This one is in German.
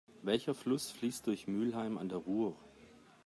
Welcher Fluss fließt durch Mülheim an der Ruhr?